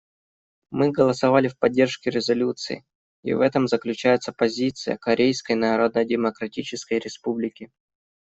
Мы голосовали в поддержку резолюции, и в этом заключается позиция Корейской Народно-Демократической Республики.